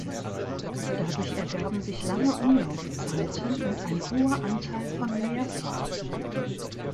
Dadurch ergaben sich lange Umlaufzeiten und ein hoher Anteil von Leerfahrten.